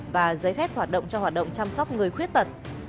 và giấy phép hoạt động cho hoạt động chăm sóc người khuyết tật